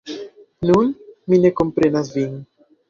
Nun mi ne komprenas vin.